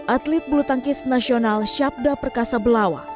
atlet bulu tangkis nasional syabda perkasa belawa